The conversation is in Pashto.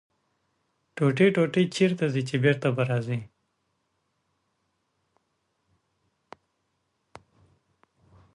ـ ټوټې ټوټې چېرته ځې ،چې بېرته به راځې.